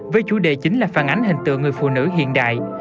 với chủ đề chính là phản ánh hình tượng người phụ nữ hiện đại